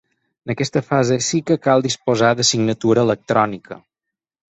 En aquesta fase sí que cal disposar de signatura electrònica.